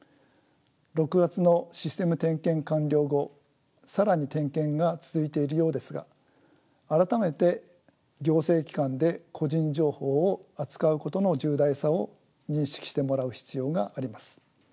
６月のシステム点検完了後更に点検が続いているようですが改めて行政機関で個人情報を扱うことの重大さを認識してもらう必要があります。